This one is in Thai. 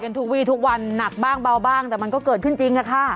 ทุกวีทุกวันหนักบ้างเบาบ้างแต่มันก็เกิดขึ้นจริงค่ะ